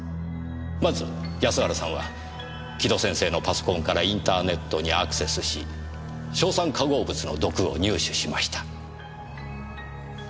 まず安原さんは城戸先生のパソコンからインターネットにアクセスし硝酸化合物の毒を入手しました。